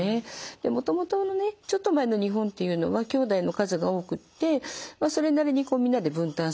もともとのねちょっと前の日本っていうのはきょうだいの数が多くってそれなりにみんなで分担することも。